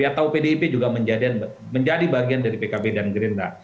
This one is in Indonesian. atau pdip juga menjadi bagian dari pkb dan gerindra